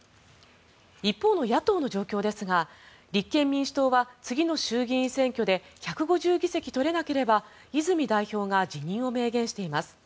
一方の野党の状況ですが立憲民主党は次の衆議院選挙で１５０議席取れなければ泉代表が辞任を明言しています。